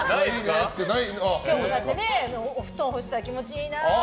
今日だってお布団干したら気持ちいいなあって。